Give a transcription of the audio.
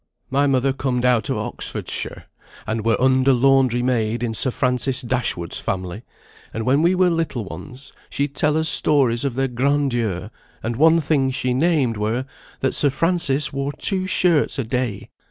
My mother comed out o' Oxfordshire, and were under laundry maid in Sir Francis Dashwood's family; and when we were little ones, she'd tell us stories of their grandeur; and one thing she named were, that Sir Francis wore two shirts a day.